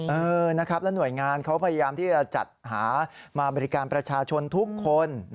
เออนะครับแล้วหน่วยงานเขาพยายามที่จะจัดหามาบริการประชาชนทุกคน